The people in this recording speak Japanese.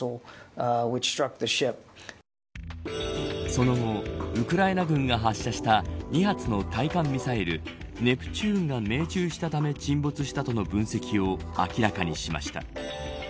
その後、ウクライナ軍が発射した２発の対艦ミサイルネプチューンが命中したため沈没したとの分析を明らかにしました。